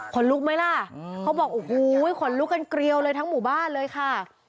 ลุกไหมล่ะเขาบอกโอ้โหขนลุกกันเกลียวเลยทั้งหมู่บ้านเลยค่ะ